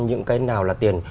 những cái nào là tiền